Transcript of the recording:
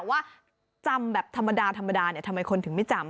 ว่าจำแบบธรรมดาธรรมดาเนี่ยทำไมคนถึงไม่จำ